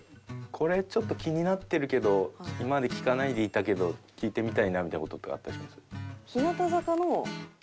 これちょっと気になってるけど今まで聞かないでいたけど聞いてみたいなみたいな事ってあったりします？